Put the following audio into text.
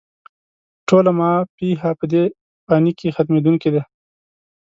ټوله «ما فيها» په دې فاني کې ختمېدونکې ده